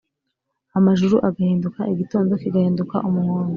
amajuru agahinduka Igitondo kigahinduka umuhondo